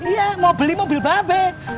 iya mau beli mobil babak